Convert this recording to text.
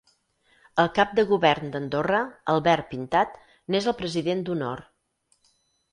El Cap de Govern d'Andorra, Albert Pintat, n'és el President d'honor.